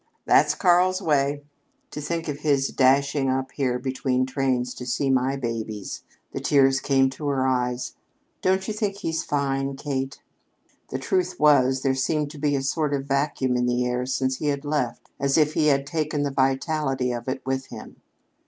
That's Karl's way. To think of his dashing up here between trains to see my babies!" The tears came to her eyes. "Don't you think he's fine, Kate?" The truth was, there seemed to be a sort of vacuum in the air since he had left as if he had taken the vitality of it with him.